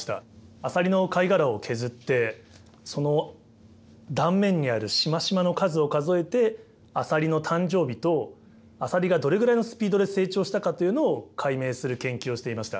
アサリの貝殻を削ってその断面にあるしましまの数を数えてアサリの誕生日とアサリがどれぐらいのスピードで成長したかというのを解明する研究をしていました。